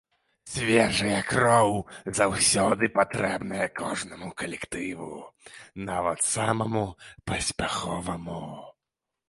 Свежая кроў заўсёды патрэбная кожнаму калектыву, нават самаму паспяховаму.